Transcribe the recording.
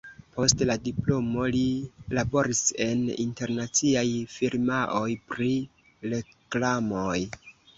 Post la diplomo li laboris en internaciaj firmaoj pri reklamoj.